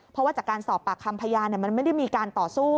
เพราะว่าจากการสอบปากคำพยานมันไม่ได้มีการต่อสู้